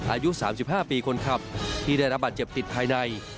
อายุ๓๕ปีคนขับที่ได้รับบาดเจ็บติดภายใน